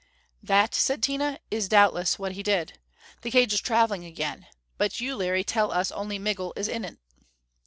"That," said Tina, "is what doubtless he did. The cage is traveling again. But you, Larry, tell us only Migul is in it."